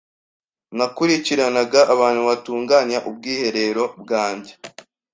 Nakurikiranaga abantu batunganya ubwiherero bwanjye.